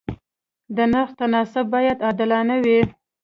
د نرخ تناسب باید عادلانه وي.